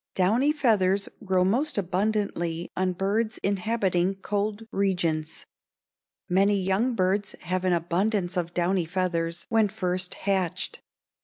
Downy feathers grow most abundantly on birds inhabiting cold regions. Many young birds have an abundance of downy feathers when first hatched.